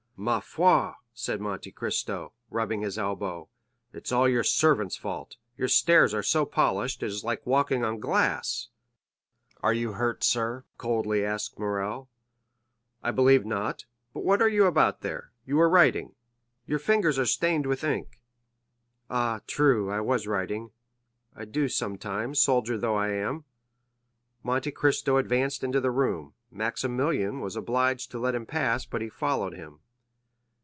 "Ma foi," said Monte Cristo, rubbing his elbow, "it's all your servant's fault; your stairs are so polished, it is like walking on glass." "Are you hurt, sir?" coldly asked Morrel. "I believe not. But what are you about there? You were writing." "I?" "Your fingers are stained with ink." "Ah, true, I was writing. I do sometimes, soldier though I am." Monte Cristo advanced into the room; Maximilian was obliged to let him pass, but he followed him.